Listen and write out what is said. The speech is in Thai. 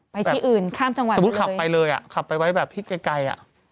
ไปที่อื่นข้ามจังหวัดไปเลยสมมุติขับไปเลยขับไปไว้ที่ไกล